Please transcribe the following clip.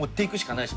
ないです。